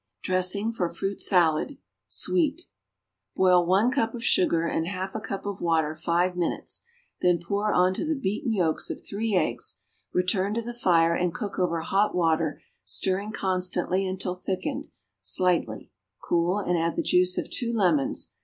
=Dressing for Fruit Salad.= (Sweet.) Boil one cup of sugar and half a cup of water five minutes, then pour on to the beaten yolks of three eggs; return to the fire and cook over hot water, stirring constantly until thickened slightly; cool, and add the juice of two lemons.